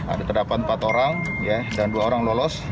ada terdapat empat orang dan dua orang lolos